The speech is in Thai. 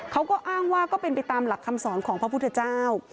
เขาก็อ้างว่าก็เป็นไปตามหลักคำสอนของพระพุทธเจ้า